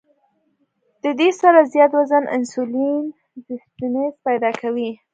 د دې سره زيات وزن انسولين ريزسټنس پېدا کوي